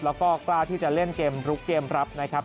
แล้วก็กล้าที่จะเล่นเกมลุกเกมรับนะครับ